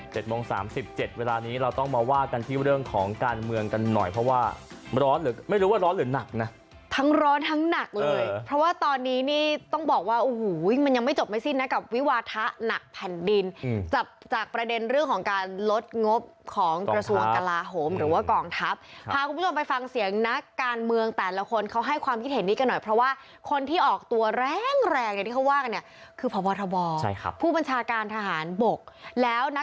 เจ็ดโมงสามสิบเจ็ดเวลานี้เราต้องมาว่ากันที่เรื่องของการเมืองกันหน่อยเพราะว่าร้อนหรือไม่รู้ว่าร้อนหรือนักนะทั้งร้อนทั้งหนักเลยเพราะว่าตอนนี้นี่ต้องบอกว่าโอ้โหมันยังไม่จบไม่สิ้นนะกับวิวาทะหนักพันธุ์ดินจับจากประเด็นเรื่องของการลดงบของกระทรวงกลาโฮมหรือว่ากล่องทัพพาคุณผู้ชมไปฟังเสีย